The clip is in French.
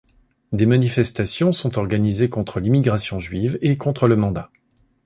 Des manifestations sont organisées contre l’immigration juive et contre le mandat.